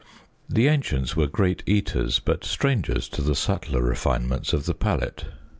The ancients were great eaters, but strangers to the subtler refinements of the palate.